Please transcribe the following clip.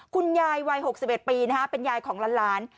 คุณยายวัย๖๑ปีเป็นยายของหลาน